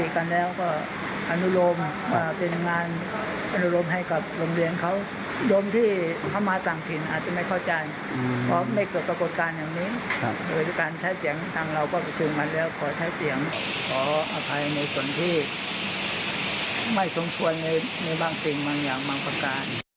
ขออภัยในส่วนที่ไม่สงทวนในบางสิ่งอย่างบางประการ